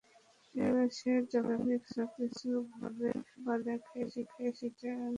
সে যখনই খারাপ কিছু ভাবে বা দেখে, সেটা নিয়ে দুশ্চিন্তা করতে থাকে।